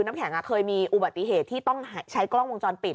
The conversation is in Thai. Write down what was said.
น้ำแข็งเคยมีอุบัติเหตุที่ต้องใช้กล้องวงจรปิด